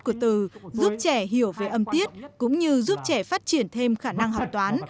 của từ giúp trẻ hiểu về âm tiết cũng như giúp trẻ phát triển thêm khả năng học toán